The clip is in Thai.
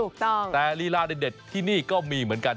ถูกต้องแต่ลีลาเด็ดที่นี่ก็มีเหมือนกัน